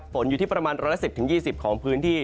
ฝนอยู่ที่ประมาณร้อนละ๑๐๒๐องศาเซียตของพื้นที่